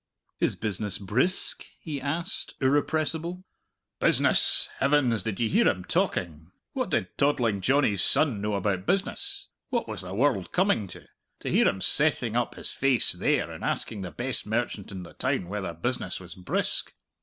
"Is business brisk?" he asked, irrepressible. Business! Heavens, did ye hear him talking? What did Toddling Johnny's son know about business? What was the world coming to? To hear him setting up his face there, and asking the best merchant in the town whether business was brisk!